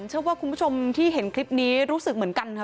เชื่อว่าคุณผู้ชมที่เห็นคลิปนี้รู้สึกเหมือนกันค่ะ